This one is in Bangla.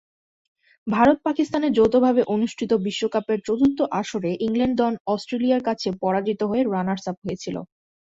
ভারত-পাকিস্তানে যৌথভাবে অনুষ্ঠিত বিশ্বকাপের চতুর্থ আসরে ইংল্যান্ড দল অস্ট্রেলিয়ার কাছে পরাজিত হয়ে রানার্স-আপ হয়েছিল।